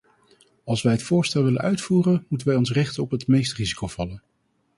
Als wij het voorstel willen uitvoeren, moet wij ons richten op het meest risicovolle.